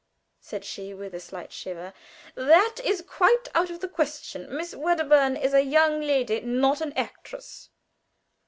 said she, with a slight shiver. "That is quite out of the question. Miss Wedderburn is a young lady not an actress."